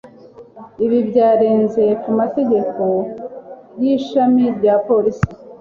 ibi byarenze ku mategeko y'ishami rya polisi